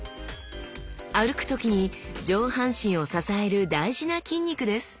歩く時に上半身を支える大事な筋肉です！